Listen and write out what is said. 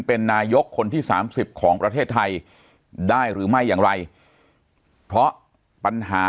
เป็นนายกคนที่๓๐ของประเทศไทยได้หรือไม่อย่างไรเพราะปัญหา